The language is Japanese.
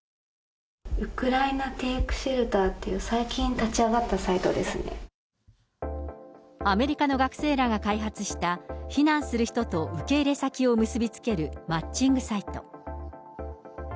ウクライナ・テーク・シェルターという、最近、立ち上がったアメリカの学生らが開発した、避難する人と受け入れ先を結び付けるマッチングサイト。